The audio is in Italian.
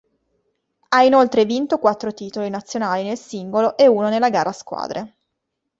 Ha inoltre vinto quattro titoli nazionali nel singolo e uno nella gara a squadre.